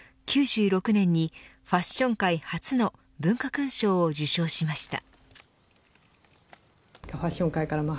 ９６年にファッション界初の文化勲章を受章しました。